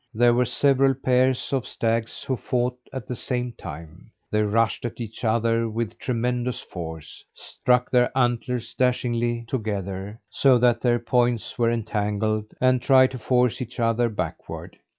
There were several pairs of stags who fought at the same time. They rushed at each other with tremendous force, struck their antlers dashingly together, so that their points were entangled; and tried to force each other backward.